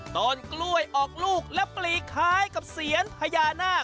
ต้นกล้วยออกลูกและปลีคล้ายกับเซียนพญานาค